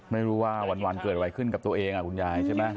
ไม่รู้ว่าวันเกิดอะไรขึ้นกับตัวเองคุณยายใช่ไหม